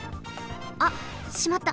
あっしまった。